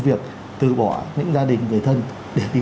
việc từ bỏ những gia đình người thân để đi